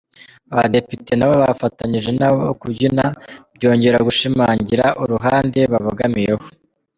Abadepite nabo bafatanyije nabo kubyina, byongera gushimangira uruhande babogamiyeho.